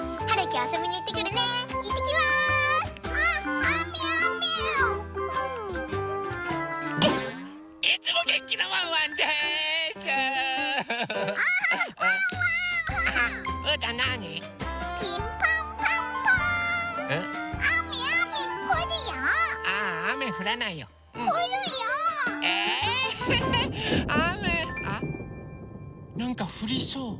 あっなんかふりそう。